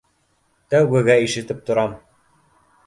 Тәүгегә ишетеп торам.